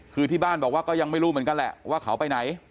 คือที่บ้านบอกว่าก็ยังไม่รู้เหมือนกันแหละว่าเขาไปไหน